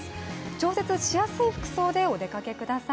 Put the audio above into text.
調節しやすい服装でお出かけください。